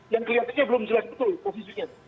yang kelihatannya belum jelas betul posisinya